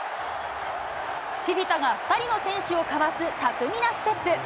フィフィタが２人の選手をかわす巧みなステップ。